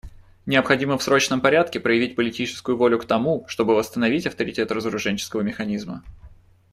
Необходимо в срочном порядке проявить политическую волю к тому, чтобы восстановить авторитет разоруженческого механизма.